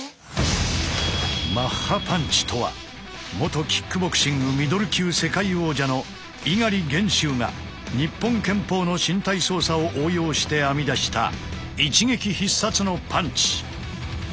マッハパンチとは元キックボクシングミドル級世界王者の猪狩元秀が日本拳法の身体操作を応用して編み出した一撃必殺のパンチ。